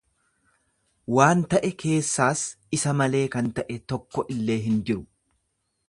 Waan ta'e keessaas isa malee kan ta'e tokko illee hin jiru.